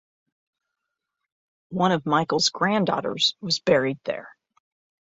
One of Michael’s granddaughters was buried there.